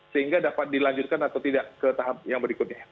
sehingga dapat dilanjutkan atau tidak ke tahap yang berikutnya